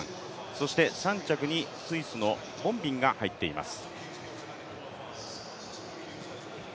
そして３着にスイスのボンビンが入っています。